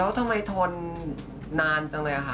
แล้วทำไมทนนานจังเลยค่ะ